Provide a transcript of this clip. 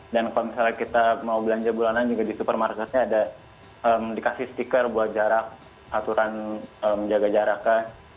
dan kalau misalnya kita mau belanja bulanan juga di supermarketnya ada dikasih stiker buat jarak aturan menjaga jaraknya